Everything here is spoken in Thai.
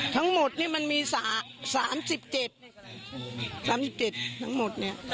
ทั้งหมดนี่มันมีสามสิบเจ็ดสามสิบเจ็ดทั้งหมดเนี้ย